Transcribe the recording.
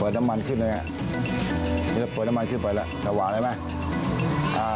เปิดน้ำมันขึ้นเลยเปิดน้ำมันขึ้นไปแล้วสว่างได้ไหม